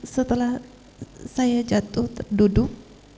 setelah saya jatuh terduduk